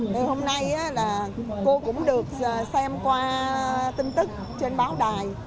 thì hôm nay là cô cũng được xem qua tin tức trên báo đài